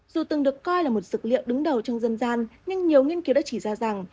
dù từng được coi là một dược liệu đứng đầu trong dân gian nhưng nhiều nghiên cứu đã chỉ ra rằng